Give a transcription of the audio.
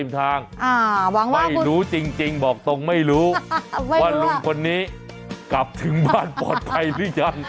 ทางไม่รู้จริงบอกตรงไม่รู้ว่าลุงคนนี้กลับถึงบ้านปลอดภัยหรือยัง